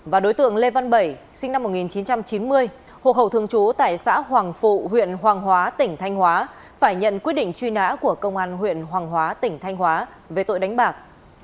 và đối tượng lê văn bảy sinh năm một nghìn chín trăm chín mươi hộ khẩu thường trú tại xã hoàng phụ huyện hoàng hóa tỉnh thanh hóa phải nhận quyết định truy nã của công an huyện hoàng hóa tỉnh thanh hóa về tội đánh bạc